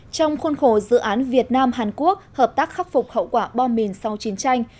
trong khuôn khổ dự án việt nam hàn quốc hợp tác khắc phục hậu quả bom mìn sau chiến tranh